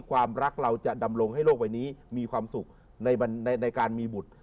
ความรักเราจะดำรงให้โลกใบนี้มีความสุขในการมีบุตร